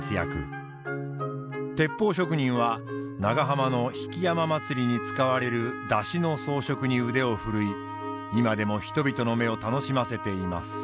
鉄砲職人は長浜の曳山まつりに使われる山車の装飾に腕を振るい今でも人々の目を楽しませています。